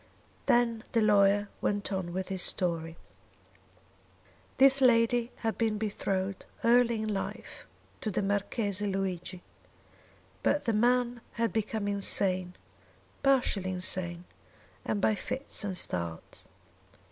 Then the lawyer went on with his story. This lady had been betrothed early in life to the Marchese Luigi; but the man had become insane partially insane and by fits and starts.